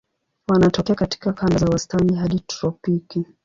Wanatokea katika kanda za wastani hadi tropiki.